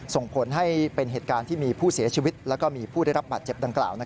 ส่งผลให้เป็นเหตุการณ์ที่มีผู้เสียชีวิตและมีผู้ได้รับบาดเจ็บดังกล่าว